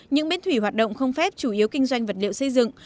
những bến thủy hoạt động không phép chủ yếu kinh doanh vật liệu xây dựng